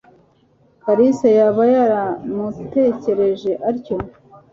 Kalisa yaba yaramutekereje atyo?